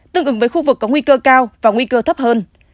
tương ứng với khu vực có nguy cơ cao và nguy cơ thấp hơn